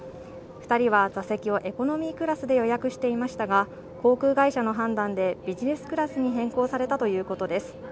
２人は座席をエコノミークラスで予約していましたが航空会社の判断でビジネスクラスに変更されたということです。